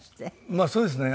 まあそうですね。